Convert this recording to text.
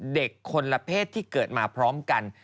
เด็กคนละเพศที่เกิดมาพร้อมกัน